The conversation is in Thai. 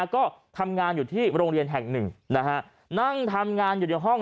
ก็ทำงานอยู่ที่โรงเรียนแห่งหนึ่งนะฮะนั่งทำงานอยู่ในห้อง